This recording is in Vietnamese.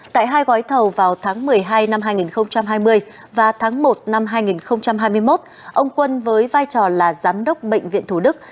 tại hai gói thầu vào tháng một mươi hai năm hai nghìn hai mươi và tháng một năm hai nghìn hai mươi một ông quân với vai trò là giám đốc bệnh viện thủ đức